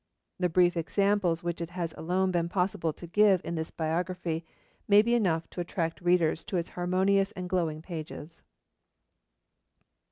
The brief examples which it has alone been possible to give in this biography, may be enough to attract readers to its harmonious and glowing pages.